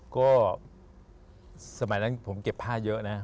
ก็สมัยนั้นผมเก็บผ้าเยอะนะ